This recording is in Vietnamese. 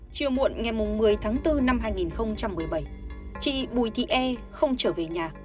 chiều muộn ngày một mươi tháng bốn năm hai nghìn một mươi bảy chị bùi thị e không trở về nhà